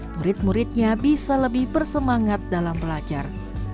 murid muridnya bisa lebih bersemangat dalam belajar